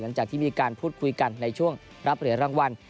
หลังจากที่มีการพูดคุยกันในช่วงรับเหรียญรางวัล